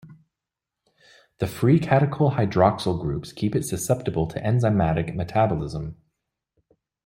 The free catechol hydroxyl groups keep it susceptible to enzymatic metabolism.